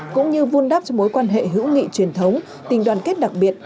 cũng như vun đắp cho mối quan hệ hữu nghị truyền thống tình đoàn kết đặc biệt